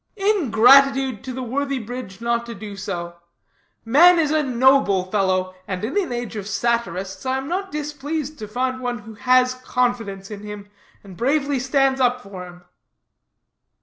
"Ingratitude to the worthy bridge not to do so. Man is a noble fellow, and in an age of satirists, I am not displeased to find one who has confidence in him, and bravely stands up for him."